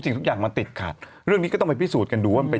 ทุกอย่างมันติดขัดเรื่องนี้ก็ต้องไปพิสูจน์กันดูว่ามันเป็น